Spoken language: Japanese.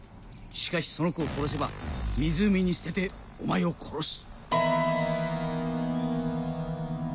しかしその子を殺せば湖に捨ててお前を殺す。